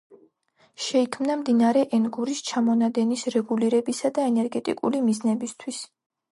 შეიქმნა მდინარე ენგურის ჩამონადენის რეგულირებისა და ენერგეტიკული მიზნებისათვის.